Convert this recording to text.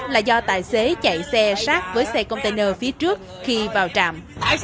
là do tài xế chạy xe sát với xe container phía trước khi vào trạm